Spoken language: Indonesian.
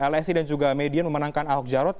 lsi dan juga median memenangkan ahok jarot